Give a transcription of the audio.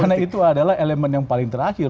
karena itu adalah elemen yang paling terakhir